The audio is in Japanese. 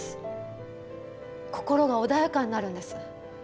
心が穏やかになるんです。